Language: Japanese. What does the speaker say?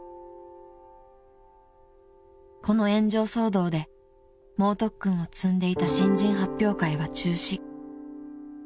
［この炎上騒動で猛特訓を積んでいた新人発表会は中止］